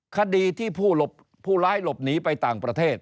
คดีที่ผู้ร้ายหลบหนีไปต่างประเทศ